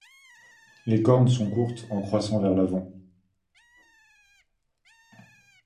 Les cornes sont courtes, en croissant vers l'avant.